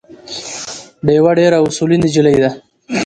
ډیوه ډېره اصولي نجلی ده